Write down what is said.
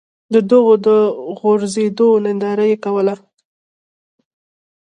د هغوی د غورځېدو ننداره یې کوله.